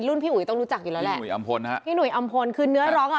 พี่อุ๋ยต้องรู้จักอยู่แล้วแหละอุ๋ยอำพลฮะพี่หุยอำพลคือเนื้อร้องอ่ะ